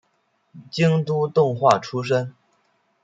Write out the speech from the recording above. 京都动画出身。